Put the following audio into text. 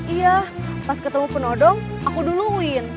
iya pas ketemu penodong aku duluin